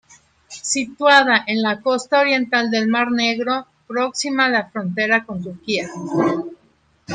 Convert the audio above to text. Situada en la costa oriental del mar Negro, próxima a la frontera con Turquía.